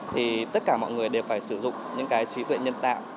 thì tất cả mọi người đều phải sử dụng những cái trí tuệ nhân tạo